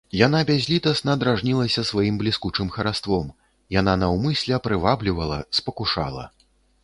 Яна бязлітасна дражнілася сваім бліскучым хараством, яна наўмысля прываблівала, спакушала.